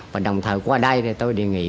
và đồng thời qua đây tôi đề nghị